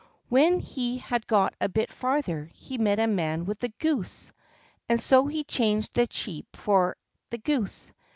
When he had got a bit farther he met a man with a goose, and so he changed the sheep for the goose.